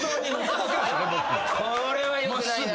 これはよくないな。